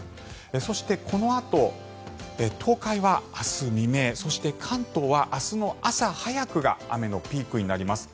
そして、このあと東海は明日未明そして、関東は明日の朝早くが雨のピークになります。